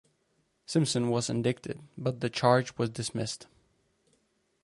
Simpson was indicted but the charge was dismissed.